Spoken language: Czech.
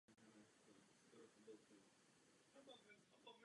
Klubové barvy byly kaštanově hnědá a bílá.